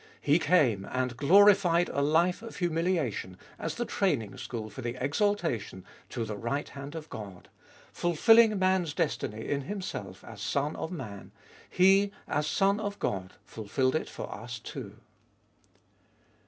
He came and glorified a life of humiliation as the training school for the exaltation to the right hand of God ; fulfilling man's destiny in Himself as Son of Man, He, as Son of God, fulfilled it for us too.